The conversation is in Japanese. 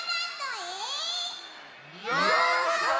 ようこそ！